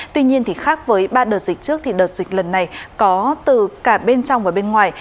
tuy nhiên thì khác với ba đợt dịch trước thì đợt dịch lần này có từ cả bên trong và bên ngoài